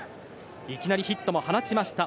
いきなりヒットも放ちました。